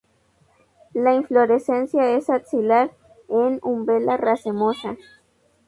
La inflorescencia es axilar, en umbela racemosa.